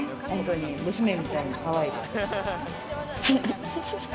娘みたいに、かわいいです。